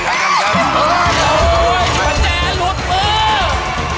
ประแจหลุดมือ